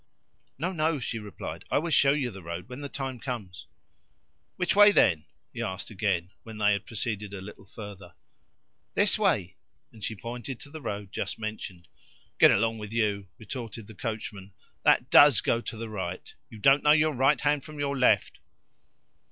"No, no," she replied. "I will show you the road when the time comes." "Which way, then?" he asked again when they had proceeded a little further. "This way." And she pointed to the road just mentioned. "Get along with you!" retorted the coachman. "That DOES go to the right. You don't know your right hand from your left."